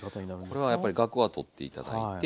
これはやっぱり萼は取って頂いて。